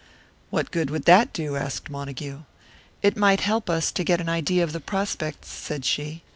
"What good would that do?" asked Montague. "It might help us to get an idea of the prospects," said she.